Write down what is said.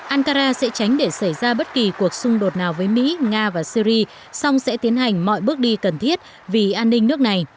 ankara sẽ tránh để xảy ra bất kỳ cuộc xung đột nào với mỹ nga và syri song sẽ tiến hành mọi bước đi cần thiết vì an ninh nước này